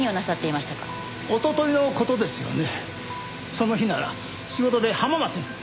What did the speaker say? その日なら仕事で浜松に。